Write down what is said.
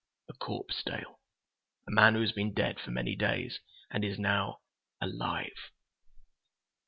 A corpse, Dale. A man who has been dead for many days, and is now—alive!"